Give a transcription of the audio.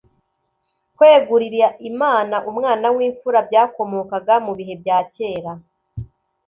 Kwegurira Imana umwana w'imfura byakomokaga mu bihe bya kera.